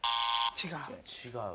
違う。